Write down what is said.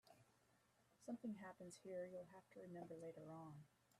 Something happens here you'll have to remember later on.